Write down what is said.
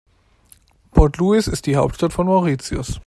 Port Louis ist die Hauptstadt von Mauritius.